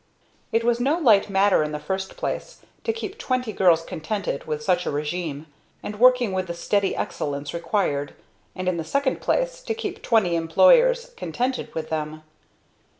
It was no light matter in the first place to keep twenty girls contented with such a regime, and working with the steady excellence required, and in the second place to keep twenty employers contented with them.